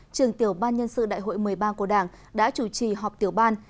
trường tiểu ban nhân sự đại hội một mươi ba của đảng đã chủ trì họp tiểu ban